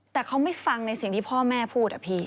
แต่เขาไม่ฟังในสิ่งที่พ่อแม่พูดอะพี่